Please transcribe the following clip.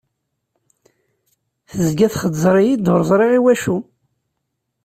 Tezga txeẓẓer-iyi-d, ur ẓriɣ iwacu!